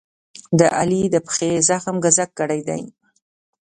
د علي د پښې زخم ګذک کړی دی.